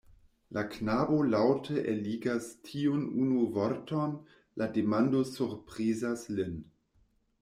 La knabo laŭte eligas tiun unu vorton, la demando surprizas lin.